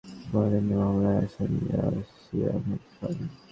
Basic ব্যাংকে জালিয়াতির ঘটনায় করা তিনটি মামলায় আসামি ইয়াসির আহমেদ খান।